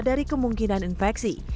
dari kemungkinan terjadi kematian